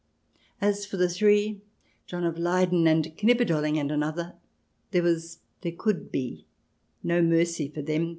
As for the three, John of Leyden and Knipperdoll ing and another, there was — there could be no mercy for them.